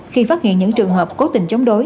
khi phát hiện những trường hợp cố tình chống đối